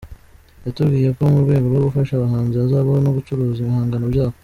yatubwiyeko mu rwego rwo gufasha abahanzi hazabaho no gucuruza ibihangano byabo.